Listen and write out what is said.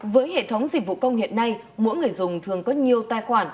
với hệ thống dịch vụ công hiện nay mỗi người dùng thường có nhiều tài khoản